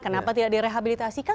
kenapa tidak direhabilitasikan